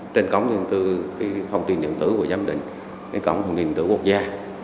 trên cổng thông tin điện tử của giám định cái cổng thông tin điện tử quốc gia